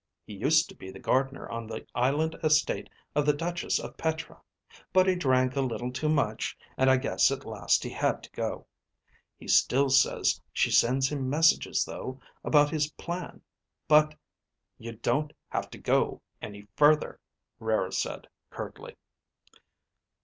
He used to be the gardener on the island estate of the Duchess of Petra. But he drank a little too much and I guess at last he had to go. He still says she sends him messages though, about his plan. But ..." "You don't have to go any further," Rara said, curtly.